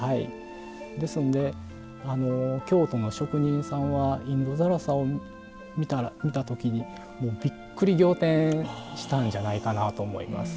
ですので京都の職人さんはインド更紗を見た時にびっくり仰天したんじゃないかなと思います。